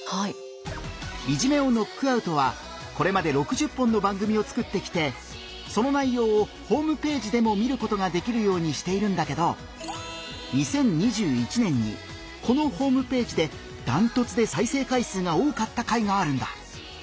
「いじめをノックアウト」はこれまで６０本の番組を作ってきてその内容をホームページでも見ることができるようにしているんだけど２０２１年にこのホームページでダントツで再生回数が多かった回があるんだ。